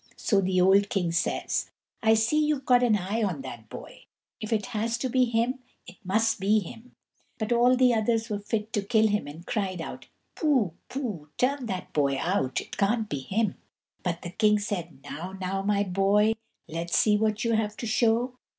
So the old king says: "I see you've got an eye on that boy. If it has to be him it must be him." But all the others were fit to kill him, and cried out: "Pooh, pooh, turn that boy out, it can't be him." But the king said: "Now, my boy, let's see what you have to show."